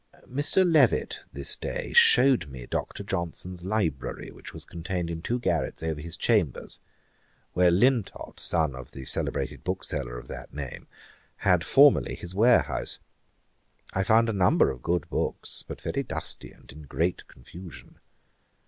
[Page 436: Johnson's library. A.D. 1763.] Mr. Levet this day shewed me Dr. Johnson's library, which was contained in two garrets over his Chambers, where Lintot, son of the celebrated bookseller of that name, had formerly his warehouse. I found a number of good books, but very dusty and in great confusion.